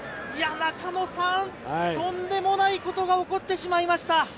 とんでもないことが起こってしまいました！